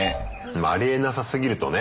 ありえなさすぎるとね。